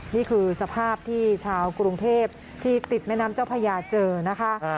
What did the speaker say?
นี่คือสภาพที่ชาวกรุงเทพที่ติดแม่น้ำเจ้าพญาเจอนะคะ